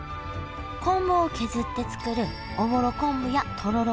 昆布を削って作るおぼろ昆布やとろろ